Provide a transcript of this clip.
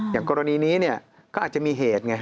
อย่างกรณีนี้เนี่ยก็อาจจะมีเหตุไงฮะ